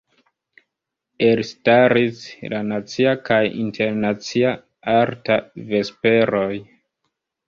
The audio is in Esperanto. Elstaris la Nacia kaj Internacia Arta Vesperoj.